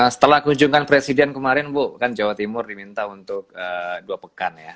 setelah kunjungan presiden kemarin bu kan jawa timur diminta untuk dua pekan ya